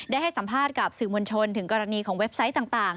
ให้สัมภาษณ์กับสื่อมวลชนถึงกรณีของเว็บไซต์ต่าง